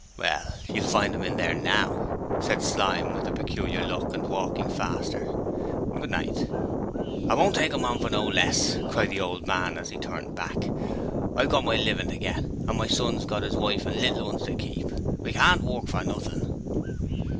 Well, you'll find 'im in there now,' said Slyme with a peculiar look, and walking faster. 'Good night.' 'I won't take 'em on for no less!' cried the old man as he turned back. I've got my livin' to get, and my son's got 'is wife and little 'uns to keep. We can't work for nothing!'